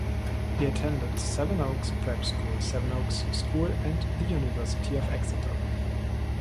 He attended Sevenoaks Prep School, Sevenoaks School and the University of Exeter.